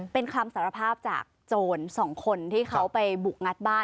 เป็นคำสารภาพจากโจรสองคนที่เขาไปบุกงัดบ้าน